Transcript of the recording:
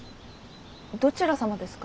どちら様ですか？